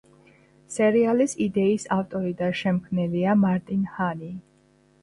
სერიალის იდეის ავტორი და შემქმნელია მარტინ ჰანი.